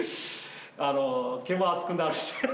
毛も厚くなるし。